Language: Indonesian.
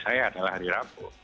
saya adalah hari rapuh